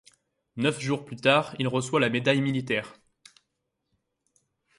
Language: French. Neuf jours plus tard, il reçoit la Médaille militaire.